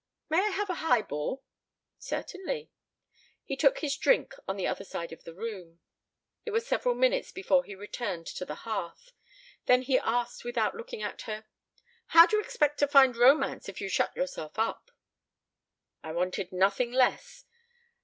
"May I have a high ball?" "Certainly." He took his drink on the other side of the room. It was several minutes before he returned to the hearth. Then he asked without looking at her: "How do you expect to find romance if you shut yourself up?" "I wanted nothing less.